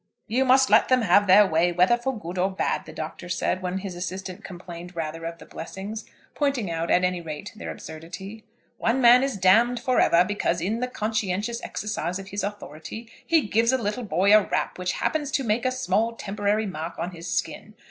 "You must let them have their way, whether for good or bad," the Doctor said, when his assistant complained rather of the blessings, pointing out at any rate their absurdity. "One man is damned for ever, because, in the conscientious exercise of his authority, he gives a little boy a rap which happens to make a small temporary mark on his skin.